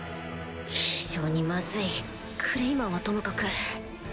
非常にまずいクレイマンはともかく